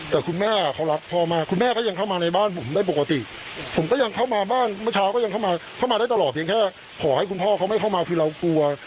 แต่คุณแม่เขารักพ่อมากคุณแม่ก็ยังเข้ามาในบ้านผมได้ปกติผมก็ยังเข้ามาบ้านเมื่อเช้าก็ยังเข้ามาเข้ามาได้ตลอดเพียงแค่ขอให้คุณพ่อเขาไม่เข้ามาคือเรากลัว